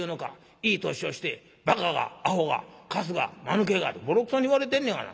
いい年をしてバカがアホがカスがまぬけが』ってボロクソに言われてんねやがな。